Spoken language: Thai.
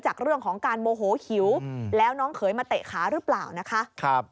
จากเรื่องของการโมโหหิวแล้วน้องเขยมาเตะขาหรือเปล่านะคะ